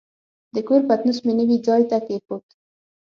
د کور پتنوس مې نوي ځای ته کېښود.